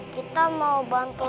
kita mau bantu